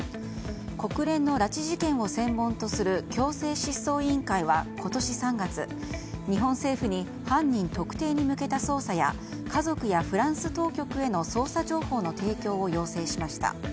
国連の拉致事件を専門とする強制失踪委員会は今年３月、日本政府に犯人特定に向けた捜査や家族やフランス当局への捜査情報の提供を要請しました。